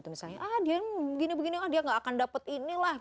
dia begini begini dia tidak akan dapat ini lah